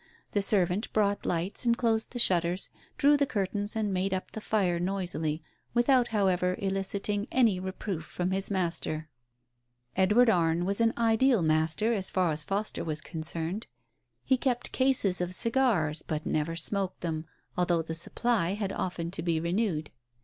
The servant brought lights and closed the shutters, drew the curtains, and made up the fire noisily, without, however, eliciting any reproof from his master. Edward Arne was an ideal master, as far as Foster was concerned. He kept cases of cigars, but never smoked them, although the supply had often to be renewed.